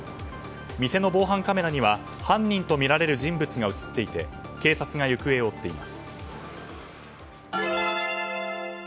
店の防犯カメラには犯人とみられる人物が映っていて警察が行方を追っています。